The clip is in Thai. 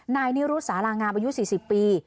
นายนิรุษสารางามอายุ๔๐ปี